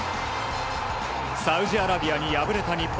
サウジアラビアに敗れた日本。